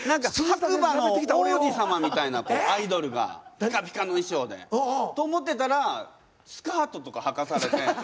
白馬の王子様みたいなアイドルがピカピカの衣装で。と思ってたらスカートとかはかされて。